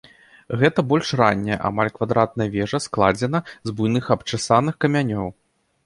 Гэта больш ранняя, амаль квадратная вежа складзена з буйных абчасаных камянёў.